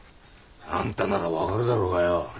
あんたなら分かるだろうがよ。